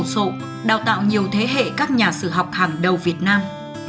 sộ đào tạo nhiều thế hệ các nhà sử học hàng đầu việt nam